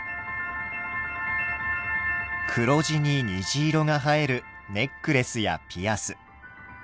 黒地に虹色が映えるネックレスやピアス。